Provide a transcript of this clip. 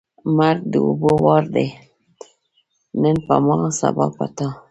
مرګ د اوبو وار دی نن په ما ، سبا په تا.